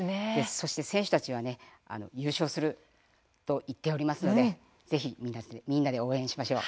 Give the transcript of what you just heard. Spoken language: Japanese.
選手たちは優勝すると言っておりますのでぜひ、みんなで応援しましょう。